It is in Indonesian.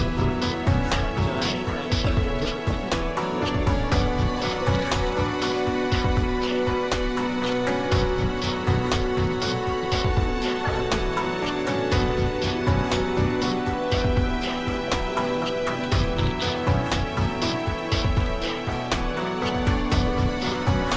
yang dilihat tadi